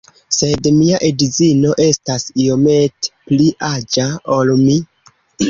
Sed mia edzino estas iomete pli aĝa ol mi